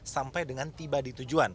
sampai dengan tiba di tujuan